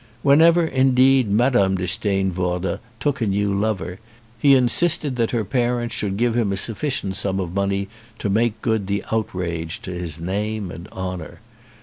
Whenever, indeed, Mme. de Steenvoorde took a new lover he insisted that her parents should give him a sufficient sum of money to make good the outrage to his name and honour.